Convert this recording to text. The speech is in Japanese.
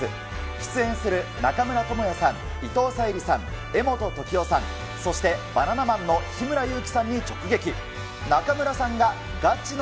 出演する中村倫也さん、伊藤沙莉さん、柄本時生さん、そしてバナナマンの日村勇紀さんに直撃。